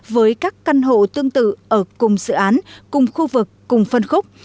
với các căn hộ tương tự ở cùng dự án cùng khu vực cùng phân khúc